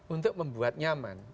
untuk membuat nyaman